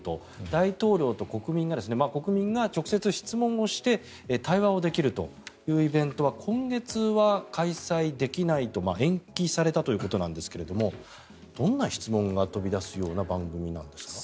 大統領と国民が国民が直接質問をして対話をできるというイベントは今月は開催できないと延期されたということなんですがどんな質問が飛び出すような番組なんですか？